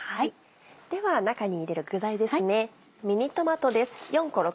では中に入れる具材ですね。